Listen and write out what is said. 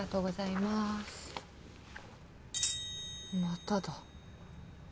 まただ。